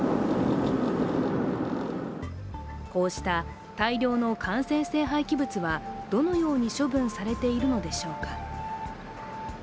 こうした大量の感染性廃棄物はどのように処分されているのでしょうか。